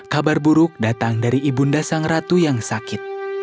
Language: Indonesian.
kabar buruk datang dari ibunda sang ratu yang sakit